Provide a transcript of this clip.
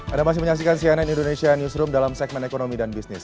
anda masih menyaksikan cnn indonesia newsroom dalam segmen ekonomi dan bisnis